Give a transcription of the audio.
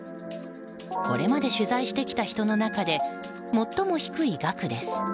これまで取材してきた人の中で最も低い額です。